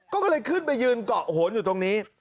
ก็เลยขึ้นไปยืนเกาะโหนอยู่ตรงนี้